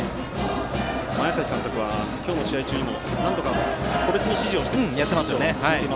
前崎監督は今日の試合中にも何度か個別に指示を送っています。